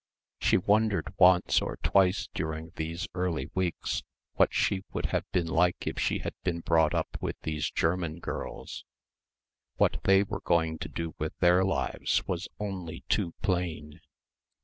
She wondered once or twice during these early weeks what she would have been like if she had been brought up with these German girls. What they were going to do with their lives was only too plain.